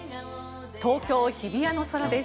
東京・日比谷の空です。